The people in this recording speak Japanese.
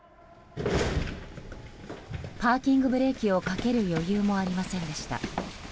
パーキングブレーキをかける余裕もありませんでした。